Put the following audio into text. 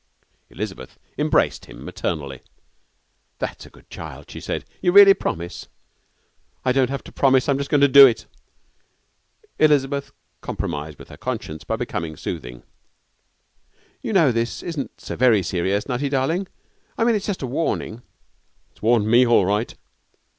Elizabeth embraced him maternally. 'That's a good child!' she said. 'You really promise?' 'I don't have to promise, I'm just going to do it.' Elizabeth compromised with her conscience by becoming soothing. 'You know, this isn't so very serious, Nutty, darling. I mean, it's just a warning.' 'It's warned me all right.'